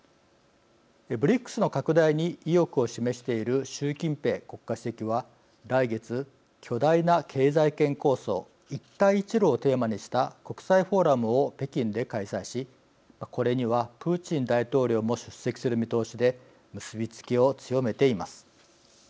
ＢＲＩＣＳの拡大に意欲を示している習近平国家主席は来月巨大な経済圏構想一帯一路をテーマにした国際フォーラムを北京で開催しこれにはプーチン大統領も出席する見通しで結び付きを強めています。